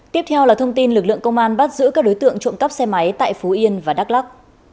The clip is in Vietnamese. tiếp theo là thông tin lực lượng công an bắt giữ các đối tượng trộm cắp xe máy tại phú yên và đắk lắc